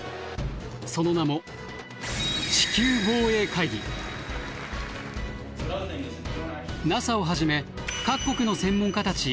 その名もＮＡＳＡをはじめ各国の専門家たち